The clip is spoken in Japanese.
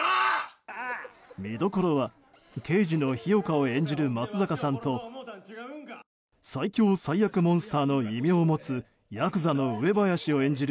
見どころは刑事の日岡を演じる松坂さんと最凶最悪モンスターの異名を持つヤクザの上林を演じる